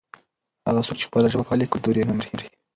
هغه څوک چې خپله ژبه پالي کلتور یې نه مري.